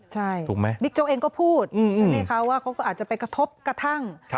ใช่โดยโจ๊กเองก็พูดจะให้เขาว่าเขาก็อาจจะไปกระทบกระทั่ง